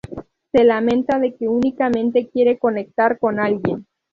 Se lamenta de que únicamente quiere conectar con alguien.